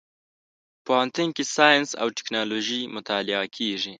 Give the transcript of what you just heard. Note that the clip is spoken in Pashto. پوهنتون کې ساينس او ټکنالوژي مطالعه کېږي.